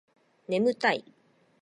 眠たい